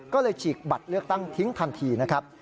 ก็เลยฉีกบัตรเลือกตั้งทิ้งทันทีนะครับ